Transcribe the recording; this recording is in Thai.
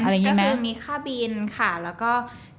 ค่าราเวนซ์ก็คือมีค่าบินค่าแล้วก็เงินเดือน